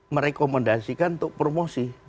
merekomendasikan untuk promosi